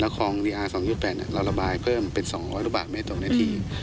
แล้วคลองดีอาร์สองยุดแปดเนี้ยเราระบายเพิ่มเป็นสองร้อยลูกบาทเมตรตัวนาที